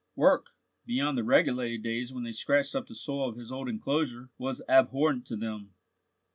Work, beyond the regulated days when they scratched up the soil of his old enclosure, was abhorrent to them.